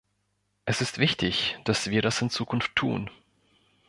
Es ist wichtig, dass wir das in Zukunft tun.